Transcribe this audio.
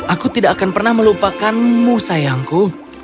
aku tidak akan pernah melupakanmu sayangku